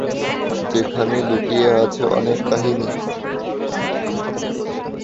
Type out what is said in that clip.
যেখানে লুকিয়ে আছে অনেক কাহিনী।